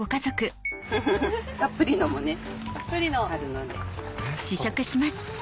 たっぷりのもねあるので。